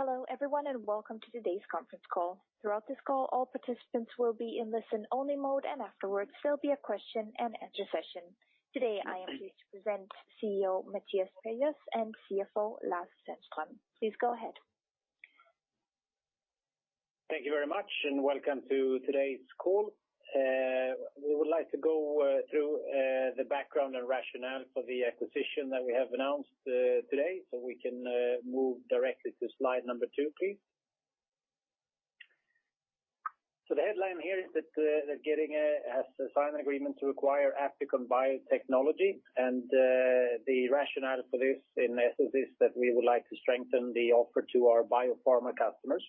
Hello, everyone, and Welcome to Today's Conference Call. Throughout this call, all participants will be in listen-only mode, and afterwards, there'll be a question and answer session. Today, I am pleased to present CEO, Mattias Perjos, and CFO, Lars Sandström. Please go ahead. Thank you very much, and welcome to today's call. We would like to go through the background and rationale for the acquisition that we have announced today. So we can move directly to slide number two, please. So the headline here is that Getinge has signed an agreement to acquire Applikon Biotechnology, and the rationale for this, in essence, is that we would like to strengthen the offer to our biopharma customers.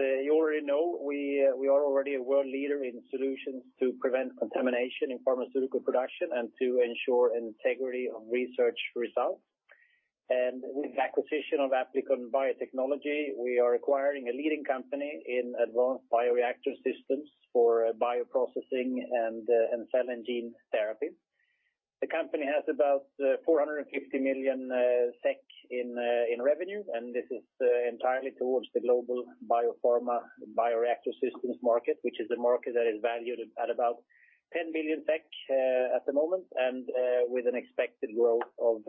As you already know, we are already a world leader in solutions to prevent contamination in pharmaceutical production and to ensure integrity of research results. And with the acquisition of Applikon Biotechnology, we are acquiring a leading company in advanced bioreactor systems for bioprocessing and cell and gene therapy. The company has about 450 million SEK in revenue, and this is entirely towards the global biopharma bioreactor systems market, which is a market that is valued at about 10 billion at the moment, and with an expected growth of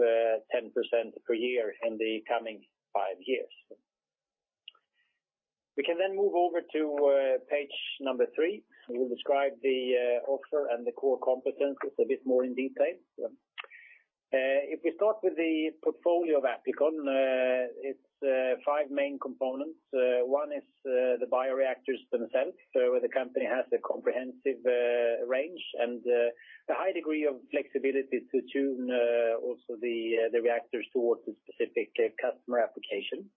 10% per year in the coming 5 years. We can then move over to page number 3. We will describe the offer and the core competencies a bit more in detail. If we start with the portfolio of Applikon, it's five main components. One is the bioreactors themselves. So the company has a comprehensive range, and a high degree of flexibility to tune also the reactors towards the specific customer application.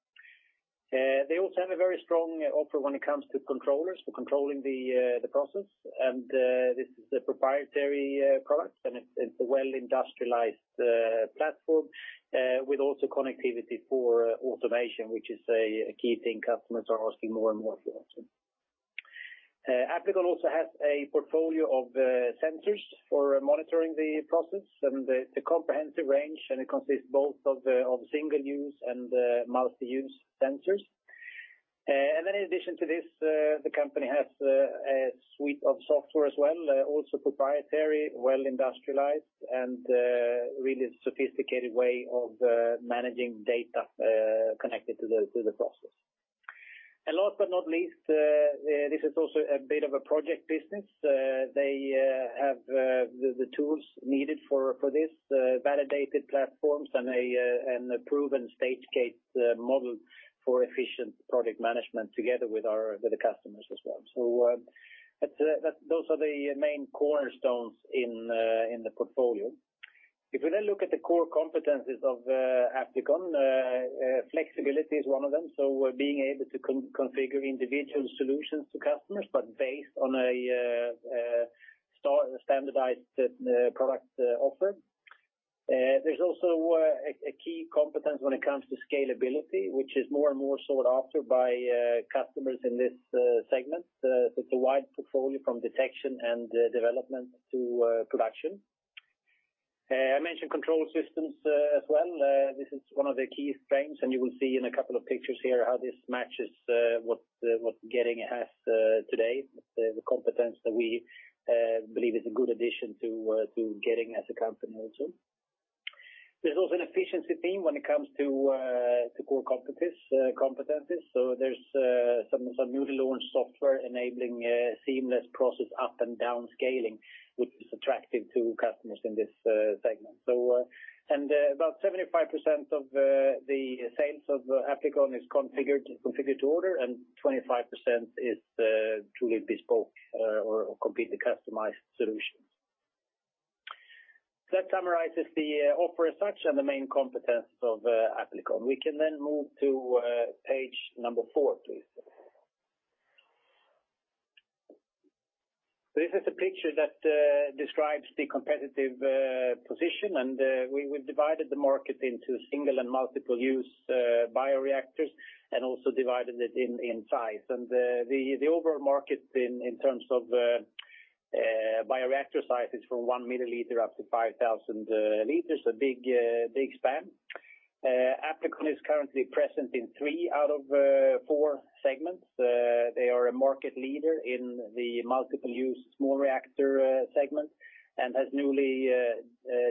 They also have a very strong offer when it comes to controllers, for controlling the, the process, and, this is a proprietary, product, and it's, it's a well-industrialized, platform, with also connectivity for automation, which is a, a key thing customers are asking more and more for. Applikon also has a portfolio of, sensors for monitoring the process, and the, the comprehensive range, and it consists both of, of single-use and, multi-use sensors. And then in addition to this, the company has, a suite of software as well, also proprietary, well-industrialized, and, really sophisticated way of, managing data, connected to the, to the process. And last but not least, this is also a bit of a project business. They have the tools needed for this validated platforms and a proven Stage-Gate model for efficient product management together with our customers as well. So, that's those are the main cornerstones in the portfolio. If we then look at the core competencies of Applikon, flexibility is one of them, so we're being able to configure individual solutions to customers, but based on a standardized product offer. There's also a key competence when it comes to scalability, which is more and more sought after by customers in this segment. It's a wide portfolio from detection and development to production. I mentioned control systems as well. This is one of the key strengths, and you will see in a couple of pictures here how this matches what Getinge has today. The competence that we believe is a good addition to Getinge as a company also. There's also an efficiency theme when it comes to core competencies. So there's some newly launched software enabling seamless process up and down scaling, which is attractive to customers in this segment. So, and, about 75% of the sales of Applikon is configured to order, and 25% is truly bespoke or completely customized solutions. That summarizes the offer as such and the main competence of Applikon. We can then move to page 4, please. So this is a picture that describes the competitive position, and we've divided the market into single and multiple use bioreactors and also divided it in size. And the overall market in terms of bioreactor size is from 1 mL up to 5,000 L, a big big span. Applikon is currently present in three out of four segments. They are a market leader in the multiple-use small reactor segment, and has newly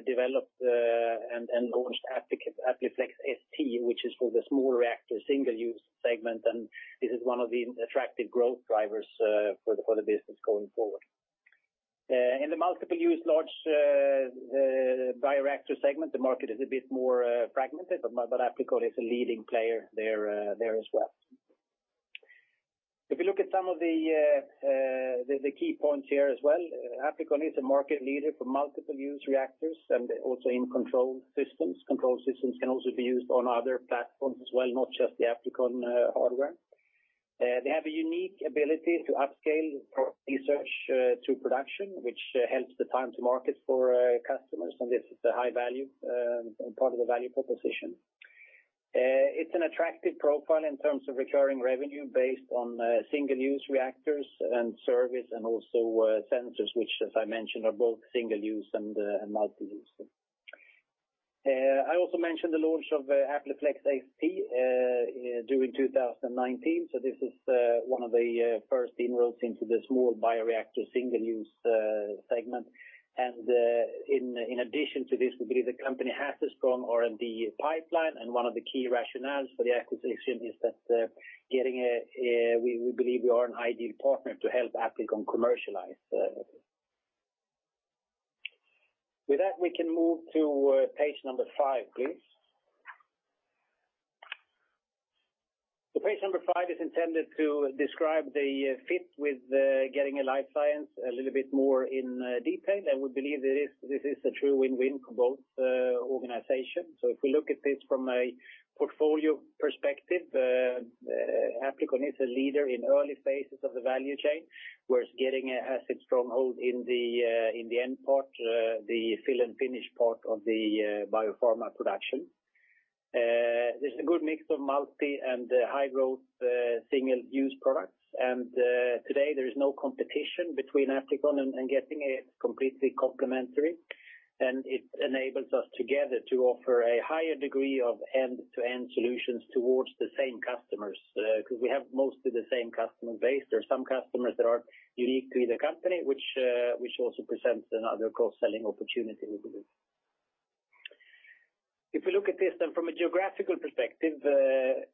developed and launched Applikon AppliFlex ST, which is for the small reactor single-use segment, and this is one of the attractive growth drivers for the business going forward. In the multiple-use large bioreactor segment, the market is a bit more fragmented, but Applikon is a leading player there, there as well. If you look at some of the key points here as well, Applikon is a market leader for multiple-use reactors and also in control systems. Control systems can also be used on other platforms as well, not just the Applikon hardware. They have a unique ability to upscale research to production, which helps the time to market for customers, and this is a high value part of the value proposition. It's an attractive profile in terms of recurring revenue based on single-use reactors and service, and also sensors, which, as I mentioned, are both single use and multi-use. I also mentioned the launch of AppliFlex ST during 2019. So this is one of the first inroads into the small bioreactor single-use segment. In addition to this, we believe the company has a strong R&D pipeline, and one of the key rationales for the acquisition is that Getinge—we believe we are an ideal partner to help Applikon commercialize. With that, we can move to page 5, please. Page number five is intended to describe the fit with Getinge Life Science a little bit more in detail, and we believe this is a true win-win for both organizations. If we look at this from a portfolio perspective, Applikon is a leader in early phases of the value chain, whereas Getinge has a stronghold in the end part, the fill and finish part of the biopharma production. There's a good mix of multi and high-growth single-use products, and today there is no competition between Applikon and Getinge. It's completely complementary, and it enables us together to offer a higher degree of end-to-end solutions towards the same customers because we have mostly the same customer base. There are some customers that are unique to the company, which also presents another cross-selling opportunity we believe. If we look at this then from a geographical perspective,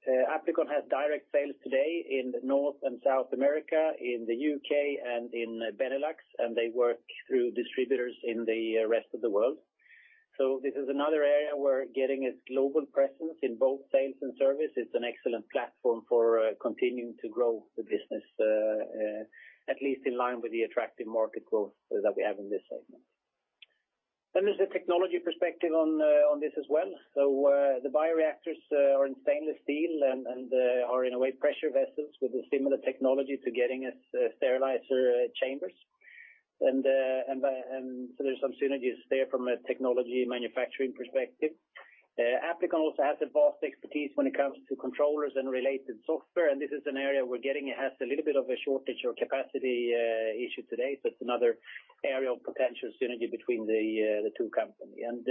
Applikon has direct sales today in North and South America, in the U.K., and in Benelux, and they work through distributors in the rest of the world. So this is another area where Getinge's global presence in both sales and service is an excellent platform for continuing to grow the business, at least in line with the attractive market growth that we have in this segment. Then there's a technology perspective on this as well. So, the bioreactors are in stainless steel and are in a way pressure vessels with a similar technology to Getinge's sterilizer chambers. And so there's some synergies there from a technology manufacturing perspective. Applikon also has a vast expertise when it comes to controllers and related software, and this is an area where Getinge has a little bit of a shortage or capacity issue today. So it's another area of potential synergy between the two companies. And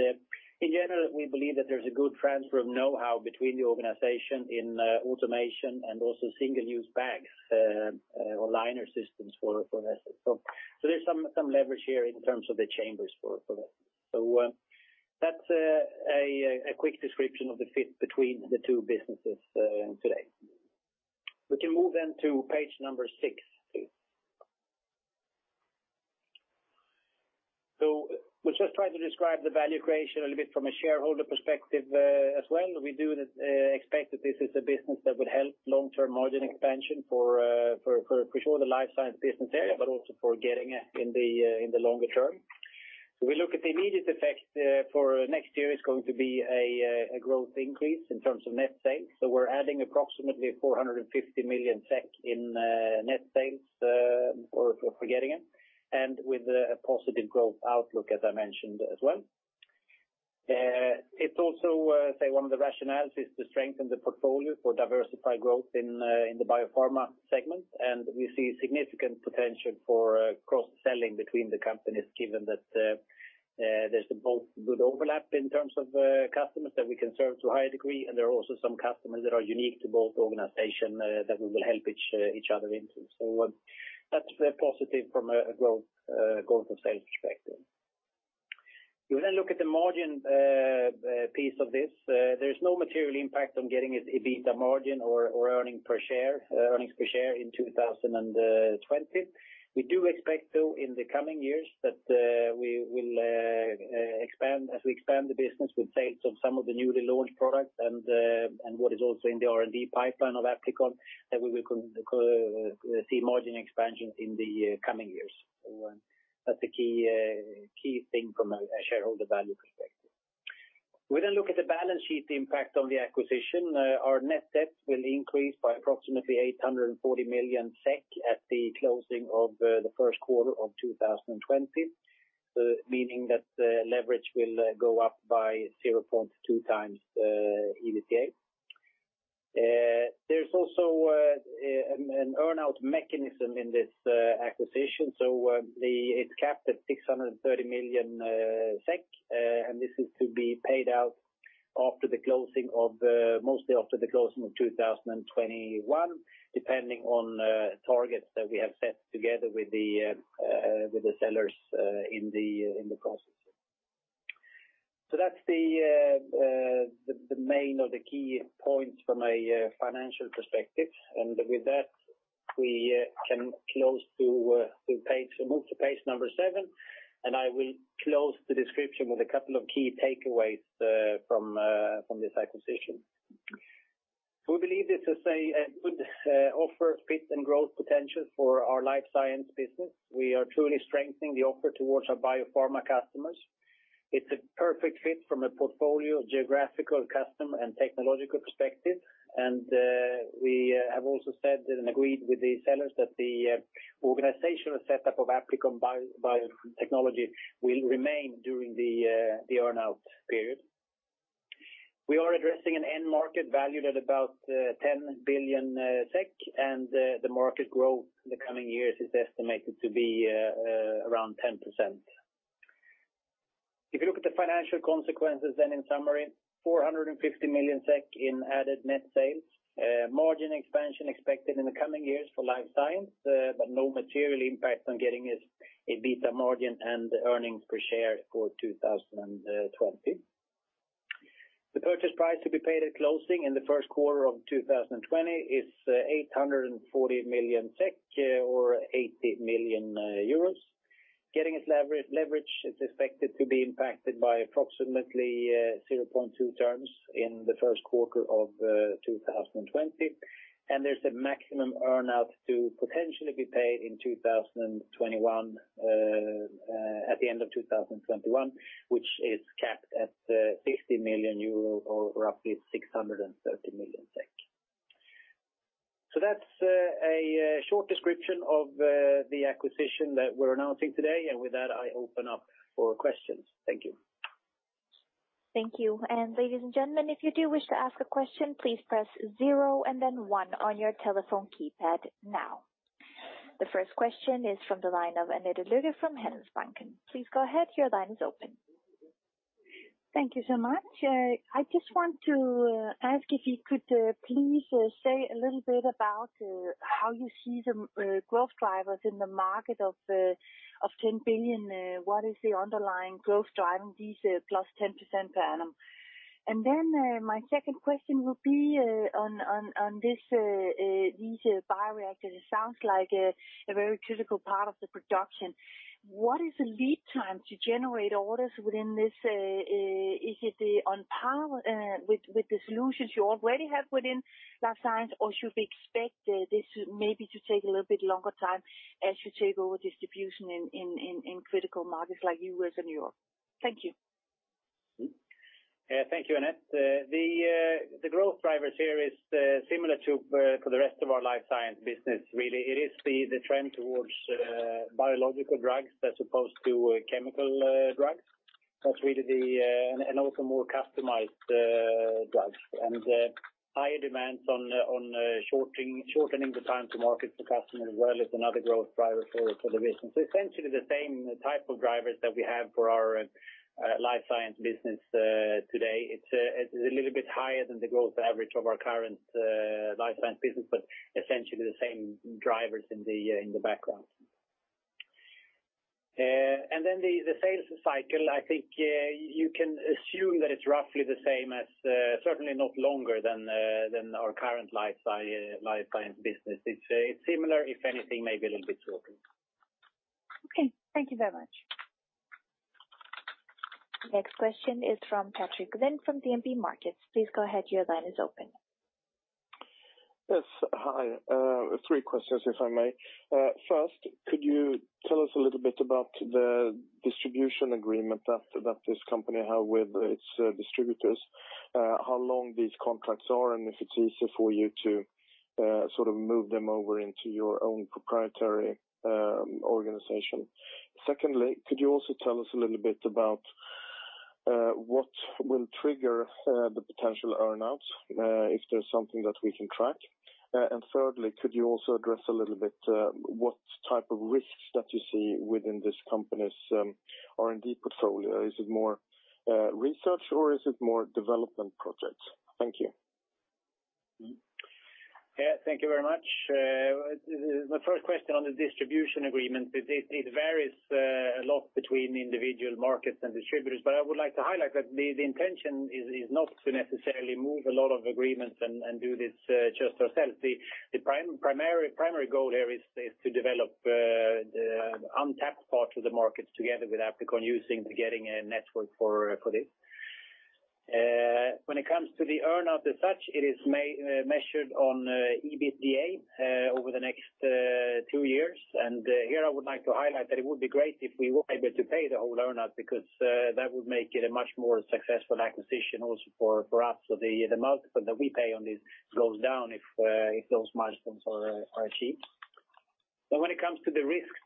in general, we believe that there's a good transfer of know-how between the organization in automation and also single-use bags or liner systems for assets. So there's some leverage here in terms of the chambers for that. So that's a quick description of the fit between the two businesses today. We can move then to page number 6, please. So we'll just try to describe the value creation a little bit from a shareholder perspective, as well. We do expect that this is a business that will help long-term margin expansion for sure, the life science business area, but also for Getinge in the longer term. So we look at the immediate effect, for next year is going to be a growth increase in terms of net sales. So we're adding approximately 450 million SEK in net sales for Getinge, and with a positive growth outlook, as I mentioned as well. It's also, say, one of the rationales is to strengthen the portfolio for diversified growth in the Biopharma segment, and we see significant potential for cross-selling between the companies, given that there's both good overlap in terms of customers that we can serve to a higher degree, and there are also some customers that are unique to both organizations that we will help each, each other into. So, that's positive from a growth, growth and sales perspective. If we then look at the margin, piece of this, there is no material impact on Getinge's EBITDA margin or, or earnings per share, earnings per share in 2020. We do expect, though, in the coming years, that we will expand, as we expand the business with sales of some of the newly launched products and what is also in the R&D pipeline of Applikon, that we will see margin expansion in the coming years. So, that's a key thing from a shareholder value perspective. We then look at the balance sheet impact on the acquisition. Our net debt will increase by approximately 840 million SEK at the closing of the first quarter of 2020, meaning that the leverage will go up by 0.2 times EBITDA. There's also an earn-out mechanism in this acquisition. So, it's capped at 630 million SEK, and this is to be paid out after the closing of, mostly after the closing of 2021, depending on targets that we have set together with the sellers in the process. So that's the main or the key points from a financial perspective. And with that, we can move to page number seven, and I will close the description with a couple of key takeaways from this acquisition. We believe this is a good offer, fit, and growth potential for our life science business. We are truly strengthening the offer towards our biopharma customers. It's a perfect fit from a portfolio, geographical, customer, and technological perspective. We have also said and agreed with the sellers that the organizational setup of Applikon Biotechnology will remain during the earn-out period. We are addressing an end market valued at about 10 billion SEK, and the market growth in the coming years is estimated to be around 10%. If you look at the financial consequences, then in summary, 450 million SEK in added net sales. Margin expansion expected in the coming years for life science, but no material impact on Getinge's EBITDA margin and earnings per share for 2020. The purchase price to be paid at closing in the first quarter of 2020 is 840 million SEK, or 80 million euros. Getinge's leverage, leverage is expected to be impacted by approximately 0.2 turns in the first quarter of 2020. And there's a maximum earn-out to potentially be paid in 2021, at the end of 2021, which is capped at 60 million euro or roughly 630 million SEK. So that's a short description of the acquisition that we're announcing today. And with that, I open up for questions. Thank you. Thank you. And ladies and gentlemen, if you do wish to ask a question, please press zero and then one on your telephone keypad now. The first question is from the line of Annette Lykke from Handelsbanken. Please go ahead, your line is open. Thank you so much. I just want to ask if you could please say a little bit about how you see the growth drivers in the market of $10 billion. What is the underlying growth driving these +10% per annum? And then, my second question would be on these bioreactors. It sounds like a very critical part of the production. What is the lead time to generate orders within this? Is it on par with the solutions you already have within life science? Or should we expect this maybe to take a little bit longer time as you take over distribution in critical markets like U.S. and Europe? Thank you. Yeah, thank you, Annette. The growth drivers here is similar to for the rest of our life science business, really. It is the trend towards biological drugs as opposed to chemical drugs. That's really the, and also more customized drugs. And higher demands on shortening the time to market for customers as well is another growth driver for the business. So essentially, the same type of drivers that we have for our life science business today. It's a little bit higher than the growth average of our current life science business, but essentially the same drivers in the background. And then the sales cycle, I think, you can assume that it's roughly the same as, certainly not longer than our current life science business. It's similar, if anything, maybe a little bit shorter. Okay. Thank you very much. Next question is from Patrick Uhlen from DNB Markets. Please go ahead, your line is open. Yes. Hi, three questions, if I may. First, could you tell us a little bit about the distribution agreement that this company have with its distributors? How long these contracts are, and if it's easier for you to sort of move them over into your own proprietary organization. Secondly, could you also tell us a little bit about what will trigger the potential earn-outs, if there's something that we can track? And thirdly, could you also address a little bit what type of risks that you see within this company's R&D portfolio? Is it more research or is it more development projects? Thank you. Yeah, thank you very much. The first question on the distribution agreement, it varies a lot between individual markets and distributors, but I would like to highlight that the intention is not to necessarily move a lot of agreements and do this just ourselves. The primary goal here is to develop the untapped parts of the markets together with Applikon, using the Getinge network for this. When it comes to the earn-out as such, it is measured on EBITDA over the next two years. And here I would like to highlight that it would be great if we were able to pay the whole earn-out, because that would make it a much more successful acquisition also for us. So the multiple that we pay on this goes down if those milestones are achieved. But when it would comes to the risks,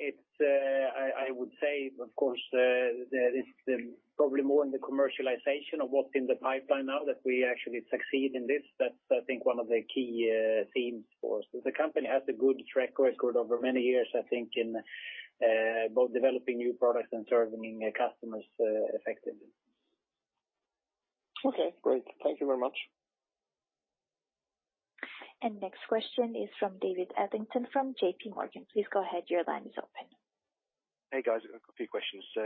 it's I would say, of course, the risk is probably more in the commercialization of what's in the pipeline now, that we actually succeed in this. That's, I think, one of the key themes for us. The company has a good track record over many years, I think, in both developing new products and serving customers effectively. Okay, great. Thank you very much. Next question is from David Adlington from JPMorgan. Please go ahead, your line is open. Hey, guys, a few questions. So,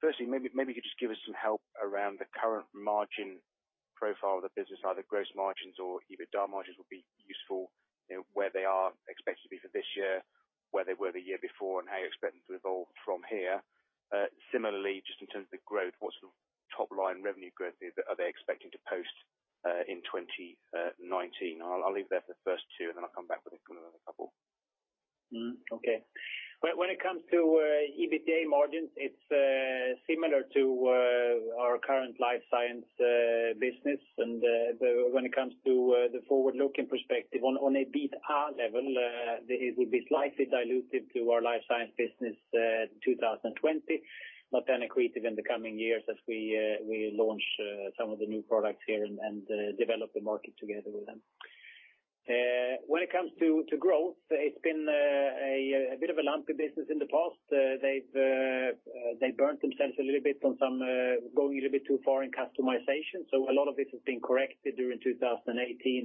firstly, maybe you could just give us some help around the current margin profile of the business, either gross margins or EBITDA margins would be useful, you know, where they are expected to be for this year, where they were the year before, and how you expect them to evolve from here. Similarly, just in terms of growth, what's the top line revenue growth are they expecting to post in 2019? I'll leave that the first two, and then I'll come back with a couple other couple. Mm-hmm. Okay. When it comes to EBITDA margins, it's similar to our current life science business. When it comes to the forward-looking perspective, on a EBITDA level, it will be slightly dilutive to our life science business, 2020, but then accretive in the coming years as we launch some of the new products here and develop the market together with them. When it comes to growth, it's been a bit of a lumpy business in the past. They've burnt themselves a little bit on some going a little bit too far in customization. So a lot of this has been corrected during 2018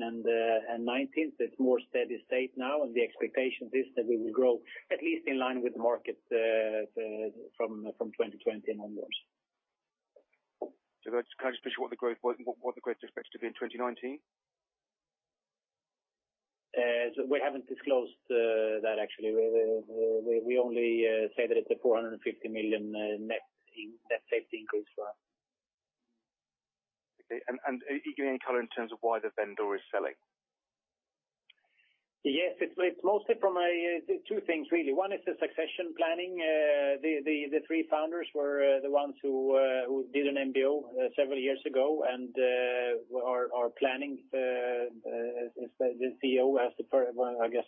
and 2019. It's more steady state now, and the expectation is that we will grow at least in line with the market from 2020 onwards. So can I just push what the growth was, what, what the growth is expected to be in 2019? So we haven't disclosed that actually. We only say that it's 450 million net sales increase for us. Okay, and you give any color in terms of why the vendor is selling? Yes, it's mostly from two things, really. One is the succession planning. The three founders were the ones who did an MBO several years ago, and are planning, as the CEO, I guess,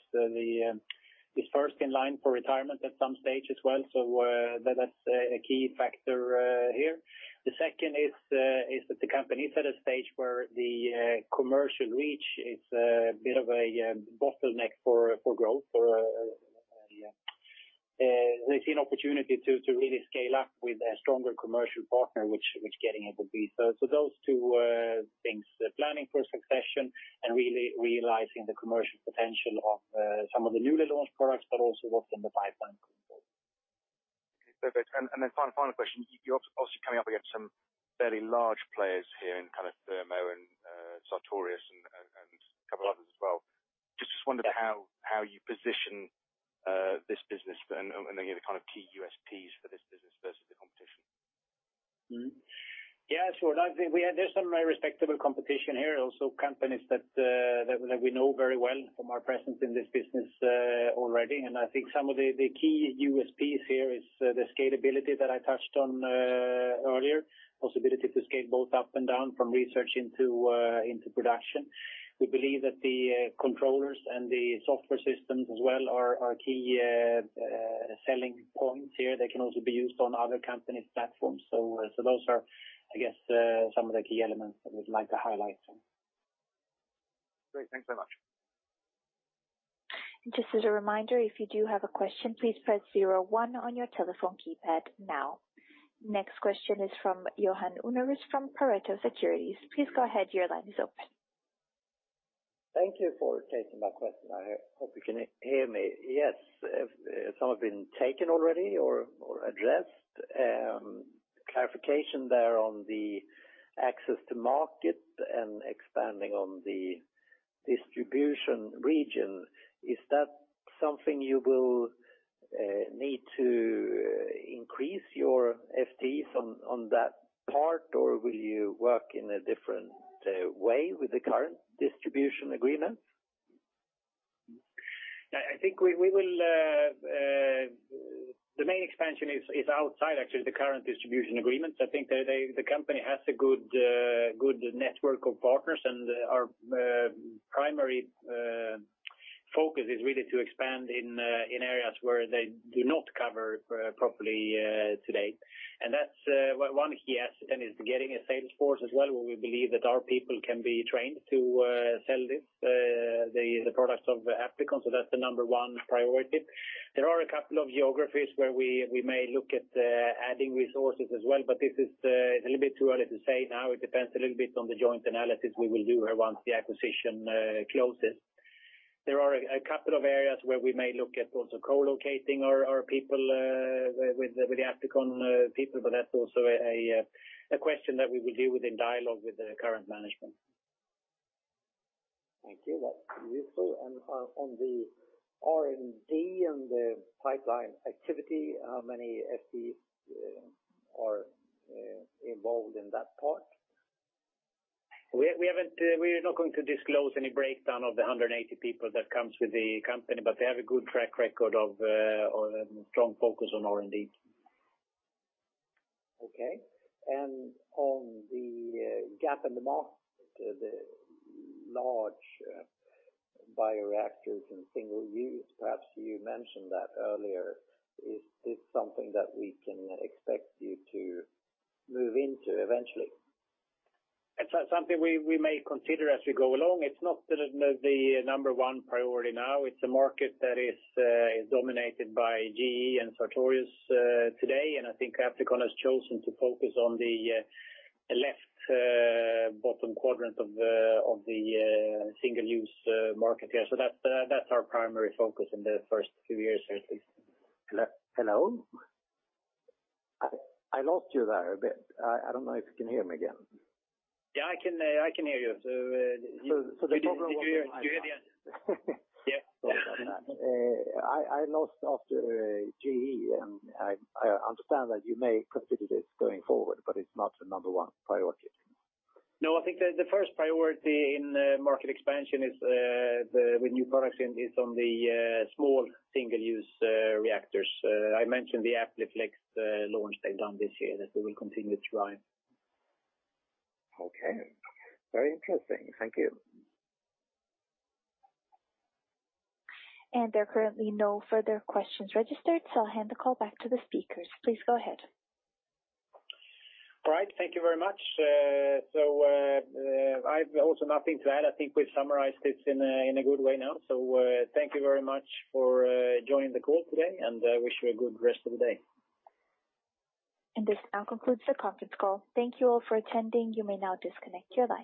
is first in line for retirement at some stage as well. So, that's a key factor here. The second is that the company is at a stage where the commercial reach is a bit of a bottleneck for growth. They see an opportunity to really scale up with a stronger commercial partner, which Getinge will be. So those two things, the planning for succession and really realizing the commercial potential of some of the newly launched products, but also what's in the pipeline going forward. Okay. And then final question. You're obviously coming up against some fairly large players here in kind of Thermo and Sartorius and a couple of others as well. Just wondered how you position this business and the kind of key USPs for this business versus the competition. Yeah, sure. I think we had—there's some respectable competition here, also, companies that we know very well from our presence in this business already. And I think some of the key USPs here is the scalability that I touched on earlier. Possibility to scale both up and down from research into production. We believe that the controllers and the software systems as well are key selling points here. They can also be used on other companies' platforms. So those are, I guess, some of the key elements that we'd like to highlight. Great, thanks so much. Just as a reminder, if you do have a question, please press zero one on your telephone keypad now. Next question is from Johan Unnérus from Pareto Securities. Please go ahead, your line is open. Thank you for taking my question. I hope you can hear me. Yes, if some have been taken already or addressed, clarification there on the access to market and expanding on the distribution region, is that something you will need to increase your FTEs on that part, or will you work in a different way with the current distribution agreements? I think we will the main expansion is outside actually the current distribution agreements. I think that the company has a good network of partners, and our primary focus is really to expand in areas where they do not cover properly today. And that's one key asset, and is getting a sales force as well, where we believe that our people can be trained to sell this the products of Applikon. So that's the number one priority. There are a couple of geographies where we may look at adding resources as well, but this is a little bit too early to say now. It depends a little bit on the joint analysis we will do here once the acquisition closes. There are a couple of areas where we may look at also co-locating our people with the Applikon people, but that's also a question that we will deal with in dialogue with the current management. Thank you. That's useful. On the R&D and the pipeline activity, how many FTE are involved in that part? We haven't. We are not going to disclose any breakdown of the 180 people that comes with the company, but they have a good track record of or a strong focus on R&D. Okay. On the gap in the market, the large bioreactors and single-use, perhaps you mentioned that earlier, is this something that we can expect you to move into eventually? It's something we may consider as we go along. It's not the number one priority now. It's a market that is dominated by GE and Sartorius today, and I think Applikon has chosen to focus on the left bottom quadrant of the single-use market here. So that's our primary focus in the first few years, at least. Hello? I lost you there, but I don't know if you can hear me again. Yeah, I can, I can hear you. So, So the- Did you hear the end? Yeah. I lost after GE, and I understand that you may consider this going forward, but it's not the number one priority. No, I think the first priority in market expansion is with new products in the small single-use reactors. I mentioned the AppliFlex launch they've done this year that we will continue to drive. Okay. Very interesting. Thank you. There are currently no further questions registered, so I'll hand the call back to the speakers. Please go ahead. All right. Thank you very much. I've also nothing to add. I think we've summarized this in a good way now. Thank you very much for joining the call today, and wish you a good rest of the day. This now concludes the conference call. Thank you all for attending. You may now disconnect your lines.